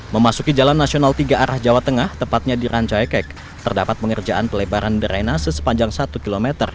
memasuki jalan nasional tiga arah jawa tengah tepatnya di rancaikek terdapat pengerjaan pelebaran drenase sepanjang satu km